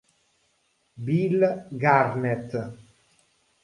Bill Garnett